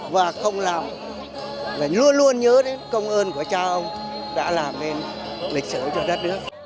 và không làm là luôn luôn nhớ đến công ơn của cha ông đã làm nên lịch sử cho đất nước